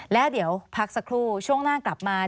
แล้วเดี๋ยวพักสักครู่ช่วงหน้ากลับมา